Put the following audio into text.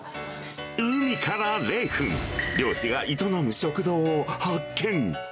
海から０分、漁師が営む食堂を発見。